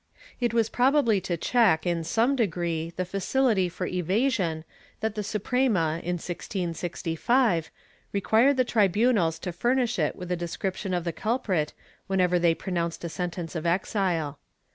* It was probably to check, in some degree, the facility for evasion that the Suprema, in 1665, required the tribunals to furnish it with a description of the culprit whenever they pronounced a sentence of exile.